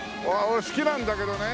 俺好きなんだけどね。